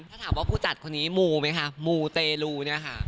ถ้าถามว่าผู้จัดคนนี้มูไหมคะมูเตลูเนี่ยค่ะ